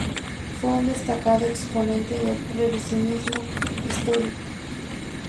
Fue un destacado exponente del revisionismo histórico.